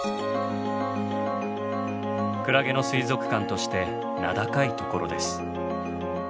クラゲの水族館として名高いところです。